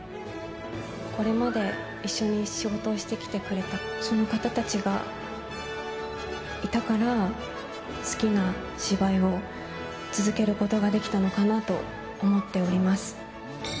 これまで、一緒に仕事をしてきてくれたその方たちがいたから、好きな芝居を続けることができたのかなと思っております。